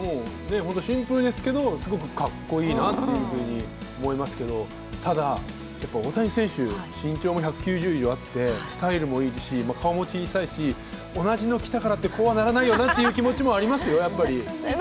シンプルですけど、すごくかっこいいなと思いますけど、ただ、大谷選手身長も１９０以上あってスタイルもいいし、顔も小さいし、同じの着たからってこうはならないよなという気持ちもありますよ、やっぱり。